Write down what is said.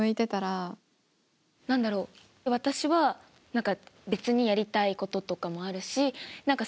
何だろ私は何か別にやりたいこととかもあるし何か